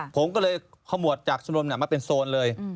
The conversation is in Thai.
ผมก็เลยขมวดจากชมรมมาเป็นโซนเลย